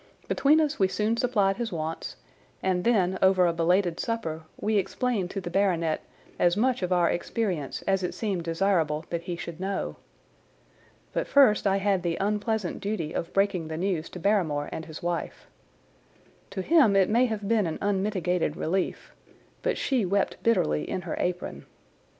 Between us we soon supplied his wants, and then over a belated supper we explained to the baronet as much of our experience as it seemed desirable that he should know. But first I had the unpleasant duty of breaking the news to Barrymore and his wife. To him it may have been an unmitigated relief, but she wept bitterly in her apron.